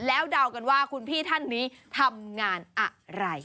แล้วเดากันว่าคุณพี่ท่านนี้ทำงานอะไร